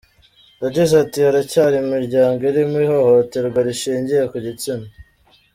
Yagize ati “Haracyari imiryango irimo ihohoterwa rishingiye ku gitsina.